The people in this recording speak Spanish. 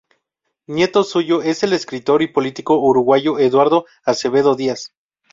Nieto suyo es el escritor y político uruguayo Eduardo Acevedo Díaz.